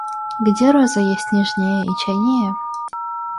Где роза есть нежнее и чайнее?